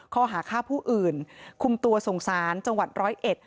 ข้อหาฆ่าผู้อื่นคุมตัวส่งสารจังหวัดร้อยเอ็ด